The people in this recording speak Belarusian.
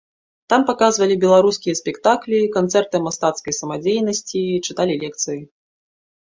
Там паказвалі беларускія спектаклі, канцэрты мастацкай самадзейнасці, чыталі лекцыі.